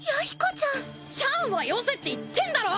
「ちゃん」はよせって言ってんだろ！